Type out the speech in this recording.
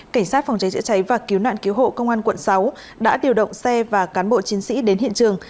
cảnh sát phòng cháy chữa cháy và cứu nạn cứu hộ công an quận sáu đã điều động xe và cán bộ chiến sĩ đến hiện trường